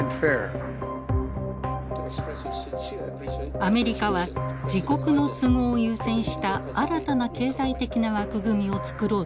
アメリカは自国の都合を優先した新たな経済的な枠組みをつくろうとしています。